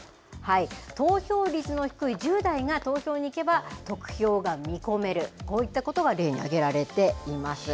投票率の低い１０代が投票に行けば、得票が見込める、こういったことが例に挙げられています。